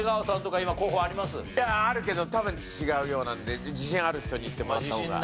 いやあるけど多分違うようなんで自信ある人にいってもらった方が。